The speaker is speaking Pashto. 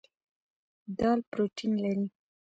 دال پروټین لري.